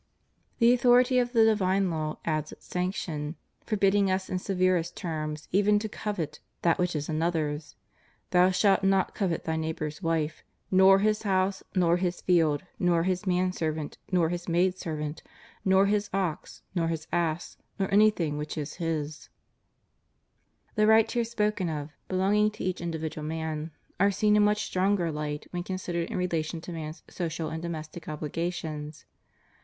The authority of the divine law adds its sanction, forbid ding us in severest terms even to covet that which is an other's:— Thou shall not covet thy neighbor's vrife; nor his house, nor his field, nor his man servant, nor his maidservant, nor his ox, nor his ass, nor anything which is his} The rights here spoken of, belonging to each individual man, are seen in much stronger light when considered in relation to man's social and domestic obligations.